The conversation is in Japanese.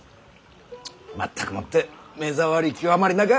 全くもって目障り極まりなか！